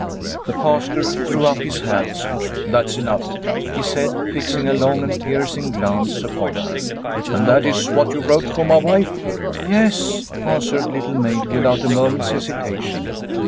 The Pastor threw up his hands. ' That's enough," he said, fixing a long and piercing glance upon her. " And that is what you wrote for my wife ?'''" Yes," answered Little Maid without a moment's hesitation.